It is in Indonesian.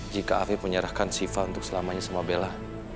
jika ave menyerahkan siva untuk selamanya sama bella